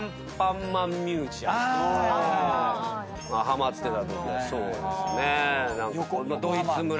ハマってたときはそうですね。